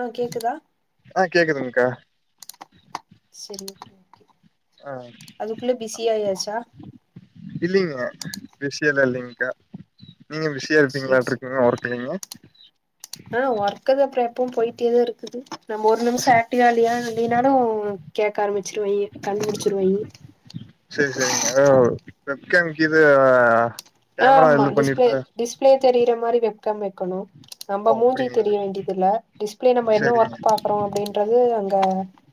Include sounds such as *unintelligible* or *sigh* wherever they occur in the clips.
ஆ கேக்குதா ஆ கேக்குதுங்க்கா செரி ஓகே ஓகே ஆ அதுக்குள்ள பிஸி ஆயாச்சா இல்லிங்க பிசி எல்லா இல்லிங்க்கா நீங்க பிசி பிஸியா செரி செரி இருப்பீங்களாட்டுருக்கங்க ஒர்க்ல்லீங்க ஆ ஒர்க் அது எப்பவு போயிட்டேதா இருக்குது நம்ம ஒரு நிமிஷ ஆக்ட்டிவா இல்லியா இல்லினாலு கேக்க ஆரம்பிச்சிருவாய்ங்க கண்டுபிடிச்சிருவாய்ங்க வெப்கேம் இக்கிது ஆ ஆமா டிஸ்பிளே டிஸ்பிளே தெரியிற மாரி வெப் கேம் வைக்கணு நம்ப ஓ மூஞ்சி அப்டிங்களா தெரிய வேண்டியது இல்ல டிஸ்பிளே நம்ம என்ன சேரிங்க ஒர்க் அப்டின்றது அங்க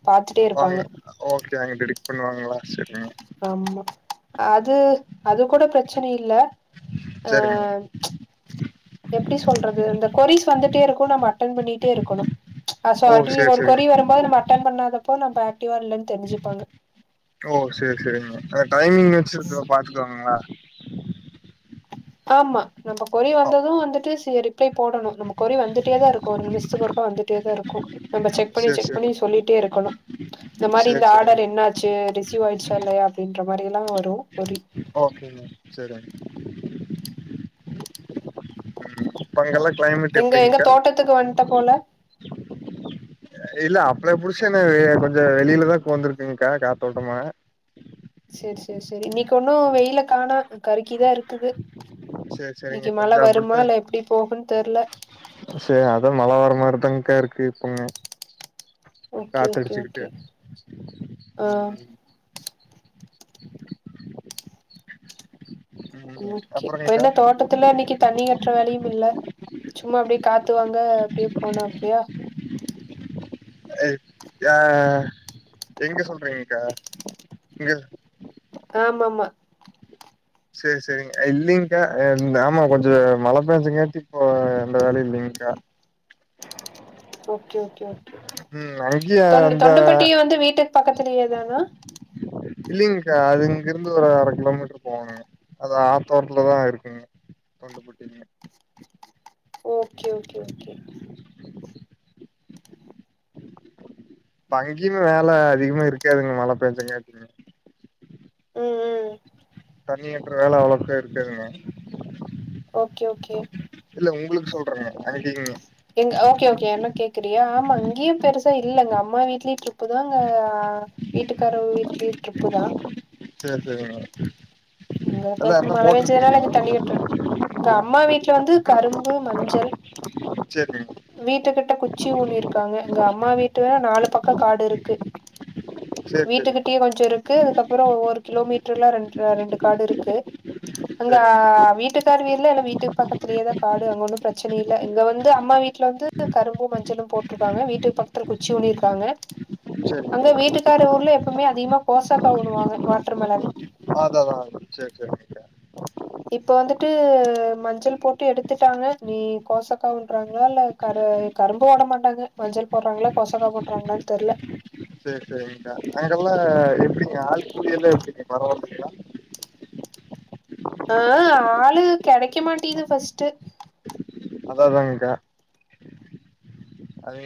பாத்துட்டே வாங்க இருப்பாங்க ஓகே அங்க டிடக்ட் பண்ணுவாங்களா செரிங் ஆமா அது அது கூட பிரச்சன இல்ல ஆ சேரிங்க எப்டி சொல்றது இந்த கொரீஸ் வந்துட்டே இருக்கு நம்ம அட்டன் பண்ணிட்டே இருக்கணு ஓ *unintelligible* சேரி ஒரு சேரிங்க கொரீ வரும்போது நம்ம அட்டன் பண்ணாதப்பா நம்ம ஆக்டிவா இல்லன்னு தெரிஞ்சுப்பாங்க ஓ சேரி சேரிங்க அத டைமிங் வெச்சு பாத்துக்குவாங்களா ஆமா நம்ம கொரி ஓ வந்தது வந்துட்டு ரிப்ளே போடணு நமக் கொறி வந்துட்டே தா இருக்கு ஒரு நிமிஷத்துக்கு ஒருக்கா வந்துட்டே தா இருக்கு நம்ம செக் பண்ணி சேரி செக் சேரி பண்ணி சொல்லிட்டே இருக்கணு இந்த மாரி சேரி இந்த ஆர்டர் சேரிங்க என்ன ஆச்சு ரிசீவ் ஆயிடுச்சா இல்லயா அப்டின்ற மாரி எல்லா வரு கொறி ஓகேங்க செரிங் ம் அங்கல்ல கிளைமேட் எங்க எங்க எப்டிங்க்கா தோட்டத்துக்கு வன்ட்ட போல இல்ல அப்ளா புடிச்சு என்ன கொஞ்ச வெளிலதா உக்காந்திருக்கேங்க்கா காத்தோட்டமா சேர் சேர் சரி இன்னிக்கி ஒன்னு வெயில காணோ கருக்கிதா இருக்குது சேரி சேரிங்க இன்னிக்கி மழ கொஞ்சோ வருமா இல்ல எப்டி போகுன்னு தெர்ல சே அதா மழ வர்ர மாரிதாங்க்கா இருக்கு இப்பமே ஓகே ஓகே காத்தடிச்சுக்கிட்டு ஓகே ஆ ம் ம் ஓகே இப்ப அப்புறங்கக்கா என்ன தோட்டத்துல இன்னிக்கி தண்ணி காட்டுற வேலையும் இல்ல சும்மா அப்டியே காத்துவாங்க அப்டியே போனாப்பியா இப் ஆ எங்க சொல்றீங்கக்கா இங்க ஆமா ஆமா செரி செரிங் இல்லிங்க்கா ஆமா கொஞ்ச மழ பேஞ்சுங்காட்டி இப்போ அந்த வேல இல்லிங்க்கா ஓகே ஓகே ஓகே ம் அங்கேயே தொண்ட அந்த தொண்டுப்பட்டியே வந்து வீட்டுக்கு பக்கத்துலயேதானா இல்லிங்க்கா அது இங்கிருந்து ஒரு அர கிலோமீட்டர் போகணுங் அது ஆத்தோரத்ததுல தா இருக்குங்க தொண்டபட்டீங்க ஓகே ஓகே ஓகே எங்கியுமே வேல அதிகமா இருக்காதுங்க மழ பேஞ்சங்கேட்டிங் ம் ம் தண்ணி கட்ற வேல அவ்வளவுக்கா இருக்காதுங்கா ஓகே ஓகே இல்ல உங்களுக்கு சொல்ற அன்னிக்கு இங்க எங்க ஓகே ஓகே என்ன கேக்குறியோ ஆமா இங்கியு பெருசா இல்ல எங்க அம்மா வீட்லியு டிரிப்புதா அங்க ஆ வீட்டுக்காரவ வீட்லியு டிரிப்புதா சேரி சேரி மேடம் உங்க பத் மழ பெஞ்சதுனால இங்க தண்ணி கட்ற இங்க அம்மா வீட்ல வந்து கரும்பு மஞ்சள் சேரி வீட்டு கிட்ட குச்சி ஊனியிருக்காங்க எங்க அம்மா வீட்ட நாலு பக்க காடு இருக்கு சேரி சேரிங்க வீட்டுக்கிட்டயு கொஞ்ச இருக்கு அதுக்கப்புறோ ஒவ்வொரு கிலோ மீட்டர்ல்லா ரெண்டர ரெண்டு காடு இருக்கு அங்க சேரிங்க வீட்டுக் த்தார் வீர்ல வீட்டுக்கு பக்கத்திலியேதா காடு அங்க ஒன்னு பிரச்சன இல்ல இங்க வந்து அம்மா வீட் ட்ல வந்து கரும்பு மஞ்சளு போட்டிருக்காங்க வீட்டுக்கு பக்கத்துல குச்சி ஊணி இருக்காங்க அங்க சேரிங்க வீட்டுக்கார் ஊர்ல எப்பவுமே அதிகமா கோசக்கா ஊண்ணுவாங்க வாட்டர்மெலன் ஆதாவா சரி சரி இப்ப வந்துட்டு மஞ்சள் போட்டு எடுத்துட்டாங்க நீ கோசக்கா ஊண்றாங்களா இல்ல கரு கரும்பு ஓடமாட்டாங்க மஞ்சள் போறாங்களா கோசக்கா போடறாங்களானு தெர்ல சேரி சேரிங்க அங்கெல்லா எப்டிங்க்கா ஆள் கூலி எல்லா எப்டிங் பரவாலிங்களா ஆ ஆளு கெடைக்கமாட்டிது ஃபஸ்ட் அதா அதாங்க்கா அது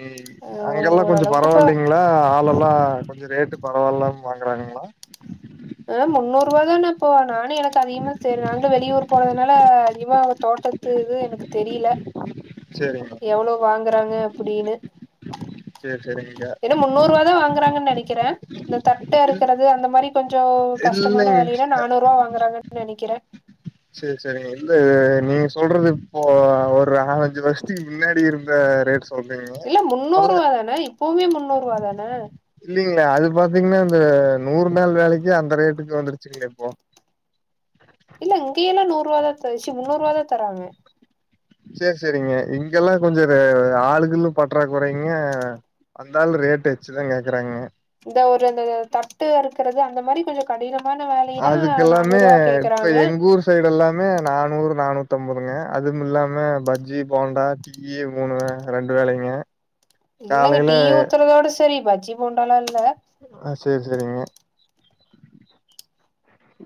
அங்கெல்லா கொஞ்ச ஓரளவுக்கு இப்ப பரவால்லிங்களா இல்லா இவ்ளா கொஞ்ச ரேட்டு பரவாயில்லாம வாங்கறாங்கங்களா ஆ முன்னூரூவாதான இப்ப நானே எனக்கு அதிகமா சரி நாங்களு வெளியூர் போறதுனால அதிகமா அவங்க தோட்டத் த்து இது எனக்கு தெரியல சேரிங்கா எவ்ளோ வாங்கறாங்க அப்டின்னு சேரி சேரிங்கக்கா என்ன முன்னூரூவாதா வாங்குறாங்கன்னு நெனைக்கிறே இந்த தட்ட இருக்கிறது அந்த மாரி கொஞ்சே கஷ்டமான இல்லைங்க வேலையிலா நானூரூவா வாங்குறாங்கன் நெனைக்கிறே சேரி சேரிங்க இல்ல நீங்க சொல்றது இப்போ ஒரு நாளஞ்சு வருஷத்துக்கு முன்னாடி இருந்த ரேட் சொல்றீங்க இல்ல இப்பல்லா முன்னூரூவா தான இப்பவுமே முன்னூரூவா தான இல்லிங்களே அது பாத்தீங்கன்னா இந்த நூறு நாள் வேலைக்கு அந்த ரேட்க்கு வந்துருச்சிங்களே இப்போ இல்ல இங்கயெல்லா நூறு ரூவா தச்சி முன்னூரூவா தா தராங்க சே சேரிங்க இங்கெல்லா கொஞ்ச ரே ஆளுகளு பற்றா குறைங்க அந்தாளு ரேட் வச்சுதா கேக்குறாங்க இந்த ஒரு அந்த தட்டு அறுக்கிறது அந்த மாரி கொஞ்ச கடினமான வேலையினா நானூரூவா கேக்குறாங்க த்தைடு எல்லாமே நானூறு நானூத்தம்பதுங்க அதுவு இல்லாம பஜ்ஜி போண்டா டீ டீயி மூனு வே ரெண்டு வேலைங்க இல்லங்க காலையில டீ ஊத்தறதோட சேரி பஜ்ஜி போண்டாலா இல்ல ஆ சேரி சேரிங்க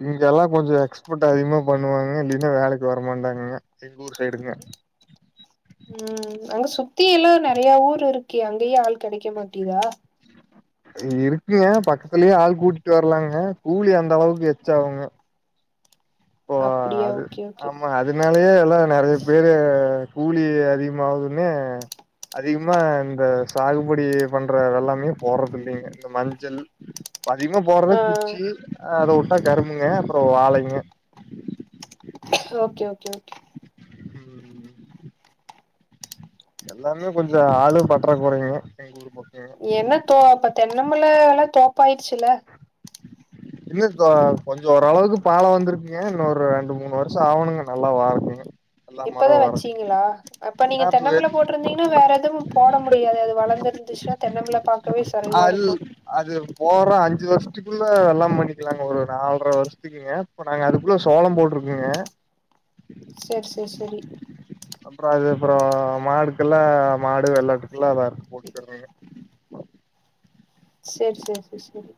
இங்க எல்லா கொஞ்ச எக்ஸ்பட் அதிகமா பண்ணுவாங்க இல்லின்னா வேலைக்கு வரமாட்டாங்கங்க எங் ஊர் சைடுங்க ம் அங்க சுத்தி எல்லா நெறைய ஊர் இருக்கே அங்கயே ஆள் கெடைக்கமாட்டிதா இருக்குங்க பக்கத்துலயே ஆள் கூட்டிட்டு வரலாங்க கூலி அந்த அளவுக்கு எச்ச ஆகுங்க ஓ அப்டியா அது ஓகே ஓகே ஆமா அ துனாலயே எல்லா நறைய பேரு கூலி அதிகமாவுதுன்னே அதிகமா இந்த சாகுபடி பண்றதெல்லாமே போடுறது இல்லைங்க இந்த மஞ்சள் அதிகமா போறதா ஆ குச்சி அத விட்டா கரும்புங்க அப்புறோ வாழைங்க ஓகே ஓகே ஓகே ம் ம் எல்லாமே கொஞ்ச ஆளு பற்றாக்குறைங்க எங்க ஊர் பக்கங்க என்னப்ப அப்ப தென்னபுல எல்லா தோப்பாயிருச்சுல இன்ன க கொஞ்ச ஓரளவுக்கு பால வந்திருக்குங்க இன்னொரு ரெண்டு மூணு வருஷ ஆவணுங்க நல்லா வாரக்குங்க எல்லா இப்பதா மரோ வரக்கு வெச்சீங்களா அப்ப நீங்க ஆ இப்ப தென்னபுல போட் டுருந்தீங்கன்னா வேற எதுவு போட முடியாது அது வளந்துருன்துச்சா அல் அது போட்ற அஞ்சு வருஷத்துக்குள்ள எல்லா பண்ணிக்கலாங்க ஒரு நால்ர வருஷத்துக் குங்க இப்ப நாங்க அதுக்குள்ள சோளம் போட்ருக்கங்க சரி சரி சரி அப்புறோ அது அப்புறோ மாடுக்கெல்லா மாடு வெள்ளாட்டுக்கெல்லா அதா இருக்கு போட்டுக்கறங்க செரி செரி செரி செரி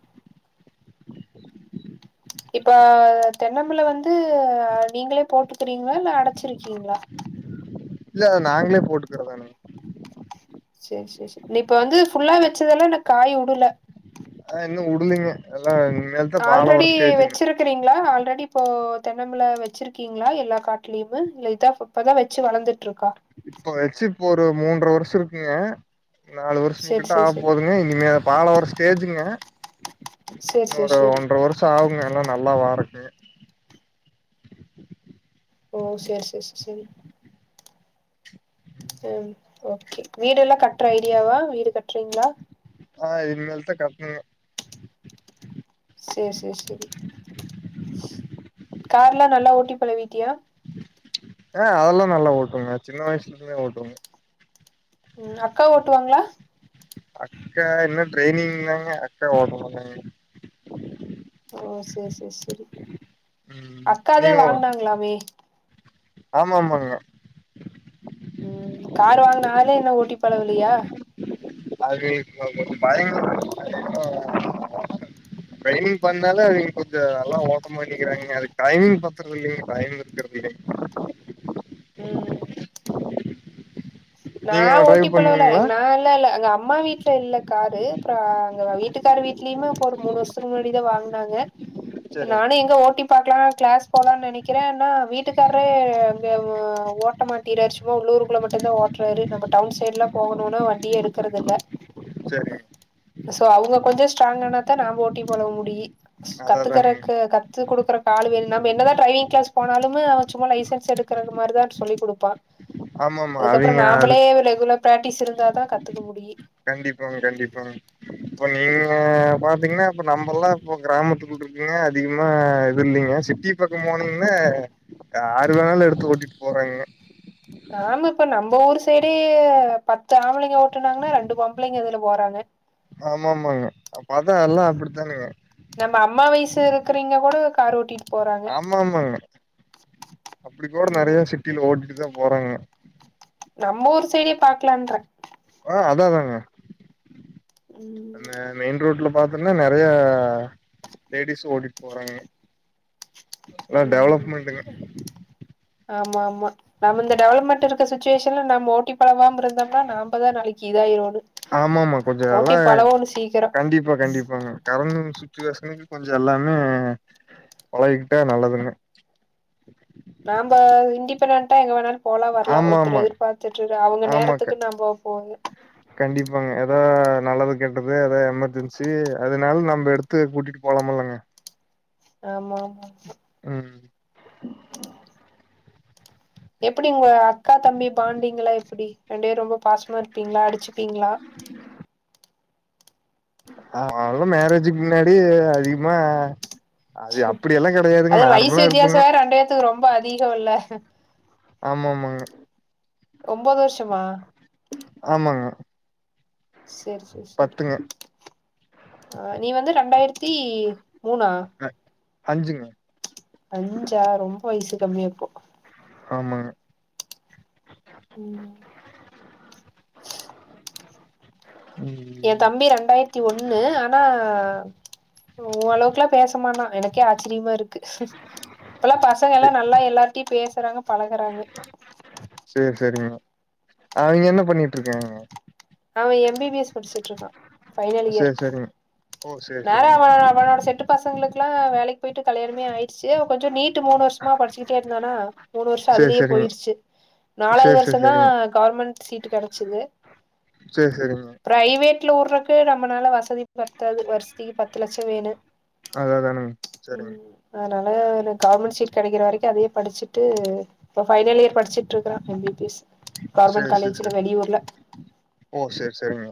இப்ப தென்னம்புல வந்து நீங்களே போட்டுக்கிறீங்களா இல்ல அடச்சிருக்கீங்களா இல்ல நாங்களே போட்டுக்கறதான செரி செரி செரி நீ இப்ப வந்து ஃபுல்லா வெச்சதெல்லா அந்த காய் விடல ஆ இன்னு உடலிங்க அதா இன்மேல் ஆல்ரெடி வெச்சிரு க்குறீங்களா ஆல்ரெடி இப்போ தென்னபுல வெச்சிருக்கீங்களா எல்லா காட்லயுமே இல்ல இதா இப்பதா வெச்சு வளர்ந்துட்ருக்கா இப்ப வெச்சு இப்போ மூன்ர வருஷ இருக்குங்க நாலு சேரி வருஷங்கிட்ட சேரி ஆக சேரி போது ங்க இனிமே பால வர ஸ்டேஜுங்க சேரி சேரி இன்னொரு சேரி ஒன்ர வரு ஷ ஆவுங்க எல்லா நல்லா வாறக்கு ஓ செர் செர் செர் செரி ம் ஓகே வீடெல்லா கட்ற ஐடியாவா வீடு கட்றீங்களா ஆ இன்மேல் தா கட்ணுங்க சேர் சேர் சேரி கார்லா நல்லா ஓட்டி பழவிட்டியா ஆ அதெல்லா நல்லா ஓட்டுவெங்க சின்ன வயசுல இருந்தே ஓட்டுவெ ம் அக்கா ஓட்டுவாங்ளா அக்கா இன்னு ட்ரரைனிங் தாங்க அக்கா ஓட்ட மாட்டாங்க ஓ சேர் சேர் செரி ம் அக்காதா நீங்க ஓ வாங்குனாங்ளாமே ஆமா ஆமாங்க ம் கார் வாங்குன ஆளே இன்னு ஓட்டி பழவலையா அது இப்ப டைம் *inaudible* ட்ரைவிங் பண்ணாலே இங் கொஞ்ச நல்லா ஓட்ட மாட்டிக்கிறாங்க அது டைமிங் பத்தல இல்லைங்க டைம் இருக்கு கிடை ம் நா நீங்க ஓட்டி டிரைவ் பழவல பண்ணுவீங்களா நா எல்லா இல்ல அங்க அம்மா வீட்ல இல்ல காரு அப்றோ அங்க வீட்டுக் க்கார் வீட்லயுமே இப்ப ஒரு மூணு வருஷத்துக்கு முன்னாடிதா வாங்குனாங்க நானே சரிங்க எங்க ஓட்டி பக்கலா கிளாஸ் போலா நெனைக்கிறே ஆனா வீட்டுக்காரே அங்க ஓட் மாட்ட மாட்டிகிறாரு சும்மா உள்ளூரு உள்ள மட்டுந்தா ஓட்ராரு நம்ம டவுன் சைட்லா போகணுனா வண்டியே எடுக்கறது இல்ல சரிங்க சோ அவுங்க கொஞ்சோ ஸ்ட்ராங் ஆனாதா நாம ஓட்டி பழக முடியு அததானுங்க கத்துறதுக்கு கத் து குடுக்குறக் ஆளு வேணு நம்ம என்னதா ட்ரைவிங் கிளாஸ் போனாலு அவன் சும்மா லைசன்ஸ் எடுக்கற மாரி தா சொல்லி குடுப்பா ஆமா ஆமா அ அப்புறோ நாமளே ரெகுலர் பிராக்டிஸ் இருந்தா தா கத்துக்க முடியு கண்டிப்பாங்க கண்டிப்பாங்க இப்ப நீங்க பாத்தீங்கன்னா இப்ப நம்மல்லா இப்ப கிராமத்துக்குள் இருப்பீங்க அதிகமா இது இல்லீங்க சி ட்டி பக்கோ போனிங்கனா யாரு வேணாலு எடுத்து ஓட்டிட்டு போறாங்கங்க ஆமா இப்ப நம்ம ஊர் சைடே பத்து ஆம்பளைங்க ஓட்டுனாங்கனா ரெண்டு பொம்பளைங்க இதுல போறாங்க ஆமா ஆமாங்க பாத்தா எல்லா அப்டிதாங்க நம்ம அம்மா வயசு இருக்றவைங்க கூட கார் ஓட்டிட்டு போறாங்க ஆமா ஆமாங்க அப்டி கூட நெறையா ம் சிட்டில ஓட்டிட்டு தா போறாங்க நம்ம ஊர் சைடே பாக்லான்றே ஆ அதா அதாங்க என்ன ம் மெயின் ரோட்ல பாத்தோன்னா நெறையா லேடிஸு ஓட்டிட்டு போறாங்க எல்லா ம் டெவலப்மெண்ட்டுங்க ஆமா ஆமா நம்ம இந்த டெவலப்மெண்ட் இருக்க சுச்சுவேஷன்ல நம்ம ஓட்டி பழவாம இருந்தோனா நம்பதா நாளைக்கி இதாயிருவோனு ஆமாமா கொஞ்சோ நல்லா ஓட்டி பழவோனு சீக்கிரோ கண்டிப்பா கண்டிப்பாங்க கடந்து வந்த சுச்சுவேஷனுக்கு கொஞ்சோ எல்லாமே பழகிக்கிட்டா நல்லதுங்க நாம்ப இண்டிபென்டன்டா எங்க வேணாலு போலா வரலா ஒருத்தர ஆமாமா எதிர்பார்த்துட்டு அவுங்க ஆமாக்கா நேரத்துக்கு நம்ம போக கண்டிப்பாங்க எதா நல்லது கெட்டுது எதாது எமர்ஜென்சி அதனால நம்ம எடுத்து கூட்டிட்டு போலாமல்லங்க ஆமா ஆமாங்க ம் எப்டி உங்க அக்கா தம்பி பாண்டிங்லா எப்டி ரெண்டு பேர் ரொம்ப பாசமா இருப்பீங்களா அடிச்சுப்பீங்களா ஆ அவளு மேரேஜுக்கு முன்னாடி அதிகமா அது அப்டியெல்லா கெடையாதுங்க அது வயசு நார்மலா இருப்பங்க வித்தியாசோ வேற ரெண்டு பேத்துக்கு ரொம்ப அதிகோ இல்ல ஆமா ஆமாங்க ஒம்போது வர்ஷமா ஆமாங்க சேரி சேரி சேரி பத்துங்க ஆ நீ வந்து ரெண்டாயிரத்தி மூணா ஆ அஞ்சுங்க அஞ்சா ரொம்ப வயசு கம்மி அப்போ ஆமாங்க *unintelligible* என் ம் தம்பி ரெண்டாயிரத்தி ஒன்னு ஆனா உங்க அளவுக்கெலா பேசமாட்டா எனக்கே ஆச்சிரியமா இருக்கு இப்பெல்லா பசங்க எ எல்லா நல்லா எல்லார்ட்டையு பேசுறாங்க பழகுறாங்க சேரி சேரிங்க அவிங்க என்ன பண்ணிட்டு இருக்காங்க அவன் எம் பி பி எஸ் படிச்சுட்டு இருக்கா பைனல் இயர் சேரி சேரிங்க ஓ சேரி நேரா சேரிங்க அவன் அவனோட செட்டு பசங்களுக்குல்லா வேலைக்கு போயிட்டு கல்யாணமே ஆயிருச்சு கொஞ்சோ நீட் டு மூணு வருஷமா படிச்சுக்கிட்டே இருந்தானா மூணு வருஷோ சேரி அதுலயே சேரிங்க போயிருச்சு நாலாவது சேரி சேரி வருஷந்தா சேரிங்க கவர்மெண்ட் சீட் கெடச்சது சேரி சேரிங்க பிரைவேட்ல உடறக்கு நம்மளால வசதி பத்தாது வருஷத்துக்கு பத்து லட்சம் வேணும் அதே தானுங்க செரிங்க அதனால எனக்கு கவர்மெண்ட் சீட் கெடைக்கிற வரைக்கும் அதையே படிச்சிட்டு இப்ப பைனல் இயர் படிச்சிட் டுருக்கிறன் M B B S government சேரி சேரி காலேஜில சேரி வெளியூர்ல ஓ செரி செரிங்க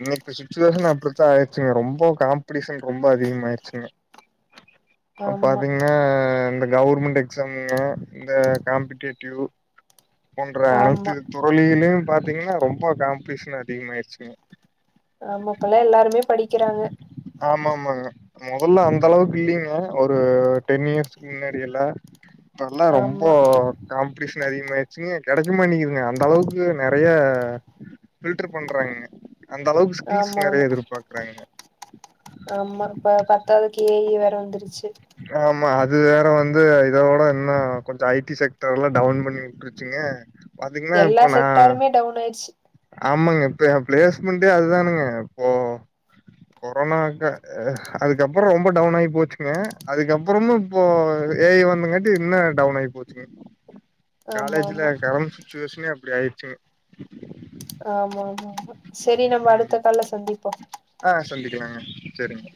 இன்னைக்கு சுச்சிவேஷன் அப்டித்தான் ஆயிடுச்சிங்க ரொம்ப காம்பிடிஷன் ரொம்ப அதிகமா ஆயிருச்சிங்க அ ஆமா பாத்தீங்கன்னா இந்த கவர்மெண்ட் எக்ஸாம்ங்க இந்த காம்பிடேட்டிவ் போன்ற அனைத்து ஆமா துறளிலயும் பாத்தீங்கன்னா ரொம்ப காம்பிடிஷன் அதிகமாயிருச்சிங்க ஆமா இப்பல்லா எல்லாருமே படிக்கறாங்க ஆமா ஆமாங்க மொதல்ல அந்த அளவுக்கு இல்லங்க ஒரு டென் இயர்ஸ்க்கு முன்னாடி எல்லா இப்பல்லாம் ரொம்போ ஆமா காம்பிடிஷன் அதிகமாயிடுச்சி கெடைக்கமாட்டிக்குதுங்க அந்த அளவுக்கு நறையா பில்டர் பண்றாங்கங்க அந்த அளவுக்கு ஹில்ஸ் ஆமா ஆமா நறையா எதிர்பாக்கறாங்கங்க ஆமா இப்ப பத்தாததுக்கு ஏஐ வேற வந்துருச்சி ஆமா அது வேற வந்து இதோட என்ன கொஞ்சம் ஐடி செக்டர்லா டவுன் பண்ணி உட்டுரு ச்சிங்க பாத்தீங்கன்னா எல்லா இப்போ நா செக்டாருமே டவுன் ஆயிடுச்சி ஆமாங்க இப்ப என் பிளேஸ் மண்ட்டே அதுதானுங்க இப்போ கொரோனாக்கு அதுக்கப்புறம் ரொம்ப டவுன் ஆயி போச்சிங்க அதுக்கப்புறமும் இப்போ ஏ ஐ வந்தங்காட்டி இன்னு டவுன் ஆயி போச்சிங்க ஆமா ஆமா காலேஜில கரண்ட் சுச்சிவேஷனே அப்டி ஆயிடுச்சிங்க ஆமா ஆமா ஆமா செரி நம்ம ம் அடுத்த கால்ல சந்திப்போம் ஆ சந்திக்கலாங்க செரிங்க